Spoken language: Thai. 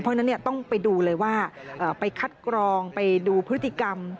เพราะฉะนั้นต้องไปดูเลยว่าไปคัดกรองไปดูพฤติกรรม